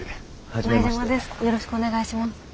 よろしくお願いします。